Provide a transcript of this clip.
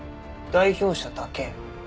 代表者だけ？